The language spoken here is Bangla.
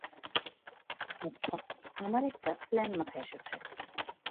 আচ্ছা, আমার একটা প্ল্যান মাথায় এসেছে।